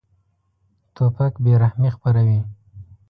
توپک بېرحمي خپروي.